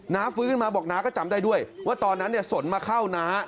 น้าฟื้นขึ้นมาบอกน้าก็จำได้ด้วยว่าตอนนั้นเนี่ยสนมาเข้าน้า